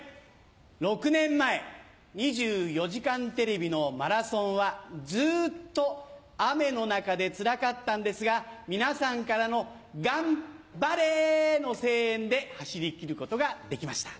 ６年前『２４時間テレビ』のマラソンはずっと雨の中でつらかったんですが皆さんからのがんバレの声援で走りきることができました。